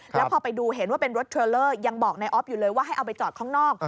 แล้วพอไปดูเห็นว่าเป็นรถเทรลเลอร์ยังบอกนายออฟอยู่เลยว่าให้เอาไปจอดข้างนอก